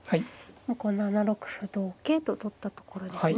こう７六歩同桂と取ったところですね。